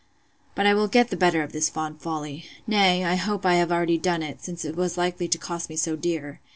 'But I will get the better of this fond folly: Nay, I hope I have already done it, since it was likely to cost me so dear.